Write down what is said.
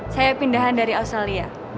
saya pindahan dari australia